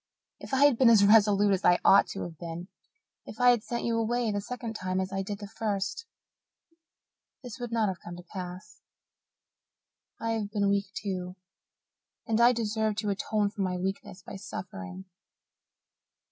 If I had been as resolute as I ought to have been if I had sent you away the second time as I did the first this would not have come to pass. I have been weak too, and I deserve to atone for my weakness by suffering.